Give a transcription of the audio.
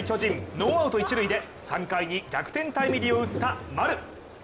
ノーアウト一塁で３回に逆転タイムリーを打った丸。